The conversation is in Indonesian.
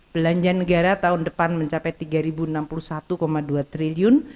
belanja negara tahun depan mencapai rp tiga enam puluh satu dua triliun